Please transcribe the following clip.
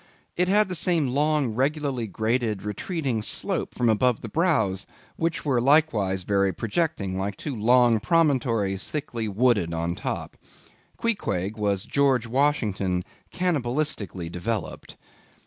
It had the same long regularly graded retreating slope from above the brows, which were likewise very projecting, like two long promontories thickly wooded on top. Queequeg was George Washington cannibalistically developed.